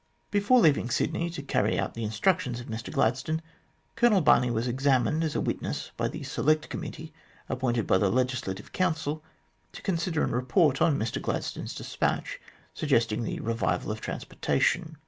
Before leaving Sydney to carry out the instructions of Mr Gladstone, Colonel Barney was examined as a witness by the Select Committee appointed by the Legislative Council to consider and report on Mr Gladstone's despatch, suggesting the revival of transportation.